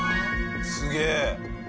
すげえ！